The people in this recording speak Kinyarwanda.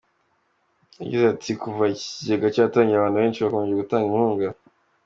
Yagize ati “Kuva iki kigega cyatangira abantu benshi bakomeje gutanga inkunga.